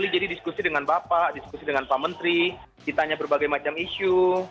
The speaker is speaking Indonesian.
jadi diskusi dengan bapak diskusi dengan pak menteri ditanya berbagai macam isu